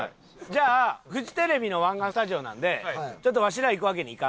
じゃあフジテレビの湾岸スタジオなのでちょっとわしら行くわけにはいかない。